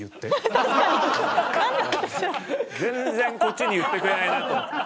全然こっちに言ってくれないなと思って。